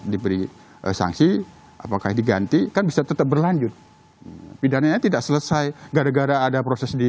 diberi sanksi apakah diganti kan bisa tetap berlanjut pidananya tidak selesai gara gara ada proses di